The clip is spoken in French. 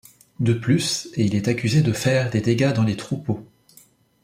De plus, et il est accusé de faire des dégâts dans les troupeaux.